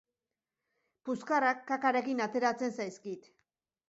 Puskarrak kakarekin ateratzen zaizkit.